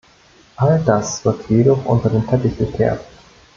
All das wird jedoch unter den Teppich gekehrt.